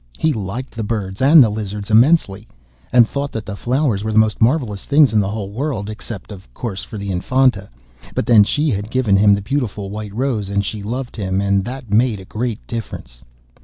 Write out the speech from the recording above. He liked the birds and the lizards immensely, and thought that the flowers were the most marvellous things in the whole world, except of course the Infanta, but then she had given him the beautiful white rose, and she loved him, and that made a great difference.